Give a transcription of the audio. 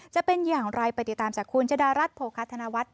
จะเป็นอย่างไรไปติดตามจากคุณจดารัฐโภคาธนวัฒน์